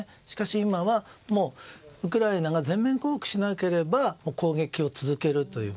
しかし今はウクライナが全面降伏しなければ攻撃を続けると。